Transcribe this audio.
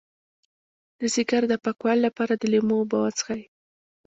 د ځیګر د پاکوالي لپاره د لیمو اوبه وڅښئ